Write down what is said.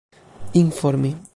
informi